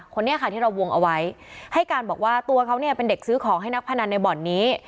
คนนี้ค่ะที่เราวงเอาไว้ให้การบอกว่าตัวเขาเนี่ยเป็นเด็กซื้อของให้นักพนันในบ่อนนี้